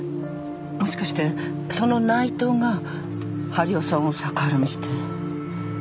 もしかしてその内藤が治代さんを逆恨みして？